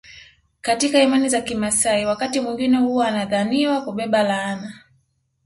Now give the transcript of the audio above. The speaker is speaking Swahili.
Katika imani za kimaasai wakati mwingine huwa anadhaniwa kubeba laana